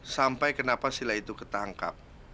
sampai kenapa sila itu ketangkap